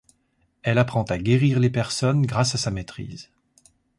Elle apprend à guérir les personnes grâce à sa maîtrise.